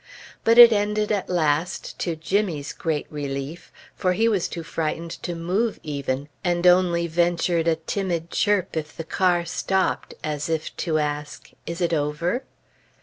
But it ended at last, to Jimmy's great relief, for he was too frightened to move even, and only ventured a timid chirp if the car stopped, as if to ask, "Is it over?"